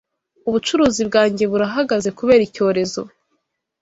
Ubucuruzi bwanjye burahagaze kubera icyorezo